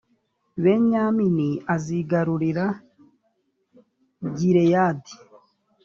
benyamini azigarurira gileyadi